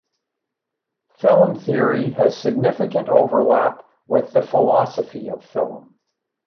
Film theory has significant overlap with the philosophy of film.